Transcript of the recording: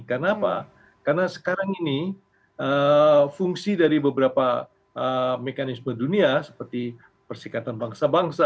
karena apa karena sekarang ini fungsi dari beberapa mekanisme dunia seperti persikatan bangsa bangsa